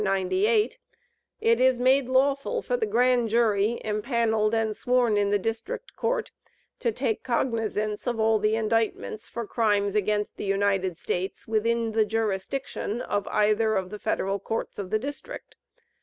98, it is made lawful for the Grand Jury, empanelled and sworn in the District Court, to take cognizance of all the indictments for crimes against the United States within the jurisdiction of either of the Federal Courts of the District.